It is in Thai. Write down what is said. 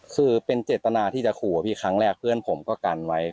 คือเป็นเจตนาที่จะขู่พี่ครั้งแรกเพื่อนผมก็กันไว้